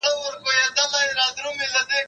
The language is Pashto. زه اوږده وخت انځورونه رسم کوم،